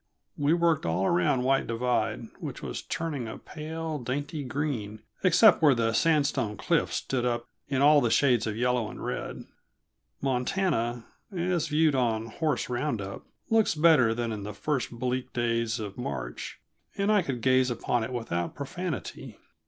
We worked all around White Divide which was turning a pale, dainty green except where the sandstone cliffs stood up in all the shades of yellow and red. Montana, as viewed on "horse round up," looks better than in the first bleak days of March, and I could gaze upon it without profanity.